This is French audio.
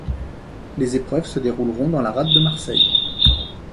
Les épreuves se dérouleront dans la rade de Marseille.